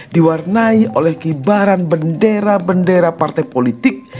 diwarnai oleh kibaran bendera bendera partai politik